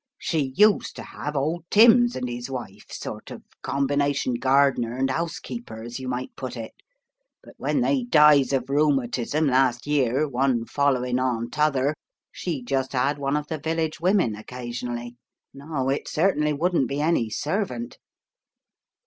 "She used to have old Timms and his wife, sort of combination gardener and 'ousekeeper as you might put it, but when they dies of rheumatism last year, one f ollowin' on t'other, she just 'ad one of the village women oc casionally. No, it certainly wouldn't be any servant.